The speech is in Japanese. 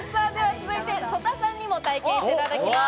続いて曽田さんにも体験していただきます。